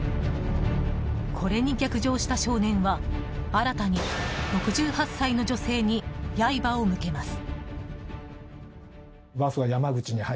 これに逆上した少年は新たに６８歳の女性に刃を向けます。